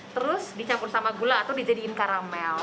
terus dicampur sama gula atau dijadikan karamel